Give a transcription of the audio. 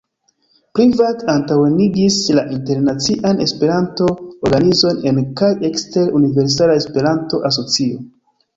Privat antaŭenigis la internacian Esperanto-organizon en kaj ekster Universala Esperanto-Asocio.